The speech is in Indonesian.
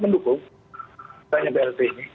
mendukung blt ini